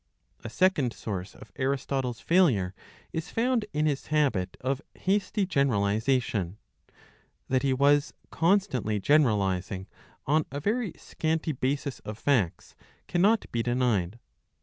A second source of Aristotle's failure is found in his habit of has^ty yenf^ l.^ ralisatinn, That he was constantly generalising on a very scanty basis of facts cannot be denied.